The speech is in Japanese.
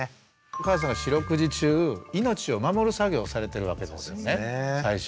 お母さんが四六時中命を守る作業をされてるわけですよね最初。